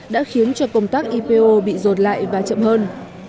đã khiến cho công tác ipo bị rồn lại và chậm hơn